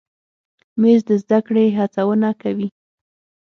مېز د زده کړې هڅونه کوي.